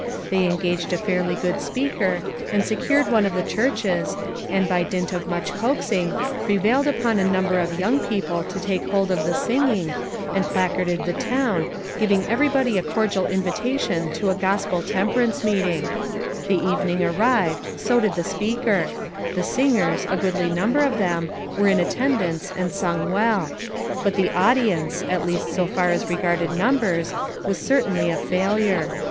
They engaged a fairly good speaker, and secured one of the churches, and, by dint of much coaxing, prevailed upon a number of young people to take hold of the singing, and placarded the town, giving everybody a cordial invi tation to a gospel temperance meeting; The evening arrived, so did the speaker ; the singers, a goodly number of them, were in attendance, and sang well ; but the audience, PLEDGES. 411 at least so far as regarded numbers, was certainly a failure.